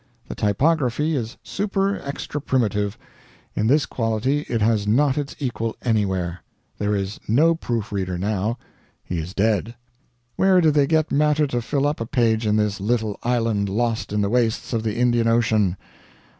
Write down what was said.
The typography is super extra primitive in this quality it has not its equal anywhere. There is no proof reader now; he is dead. "Where do they get matter to fill up a page in this little island lost in the wastes of the Indian Ocean?